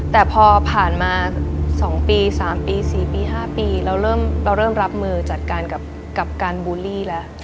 แต่พอผ่านมา๒ปี๓ปี๔ปี๕ปีเราเริ่มรับมือจัดการกับการบูลลี่แล้ว